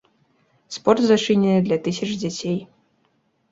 Спорт зачынены для тысяч дзяцей.